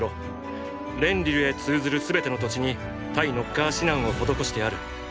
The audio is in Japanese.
レンリルへ通ずる全ての土地に対ノッカー指南を施してある。